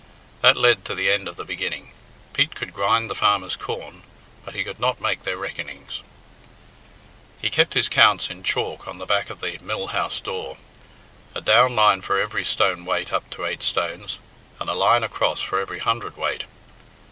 That led to the end of the beginning. Pete could grind the farmers' corn, but he could not make their reckonings. He kept his counts in chalk on the back of the mill house door, a down line for every stone weight up to eight stones, and a line across for every hundredweight.